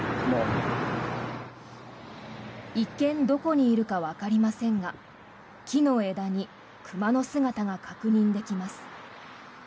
一見どこにいるかわかりませんが木の枝に熊の姿が確認できます。